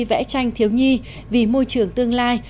vẽ tranh thiếu nhi vì môi trường tương lai